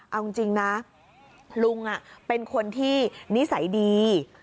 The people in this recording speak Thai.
เอาจริงนะลุงเป็นคนที่นิสัยดี